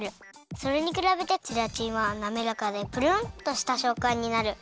それにくらべてゼラチンはなめらかでプルンとしたしょっかんになる。